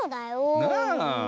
なあ。